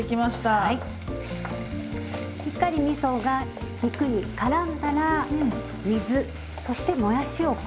しっかりみそが肉にからんだら水そしてもやしを加えます。